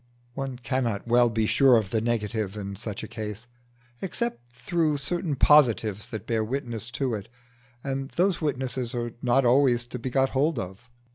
One cannot well be sure of the negative in such a case, except through certain positives that bear witness to it; and those witnesses are not always to be got hold of.